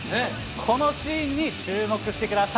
このシーンに注目してください。